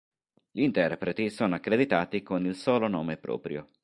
Gli interpreti sono accreditati con il solo nome proprio.